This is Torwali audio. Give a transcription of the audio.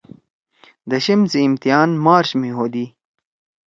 دشم سی امتحان مارچ می ہودی۔